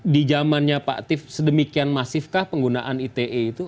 di zamannya pak tiff sedemikian masifkah penggunaan ite itu